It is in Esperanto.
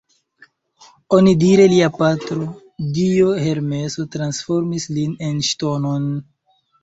Onidire lia patro, dio Hermeso transformis lin en ŝtonon.